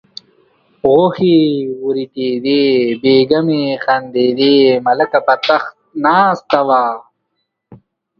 غوښې وریتېدې بیګمې خندېدې ملکه په تخت ناسته وه.